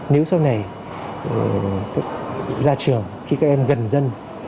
nếu sau này ra trường khi các em gần dân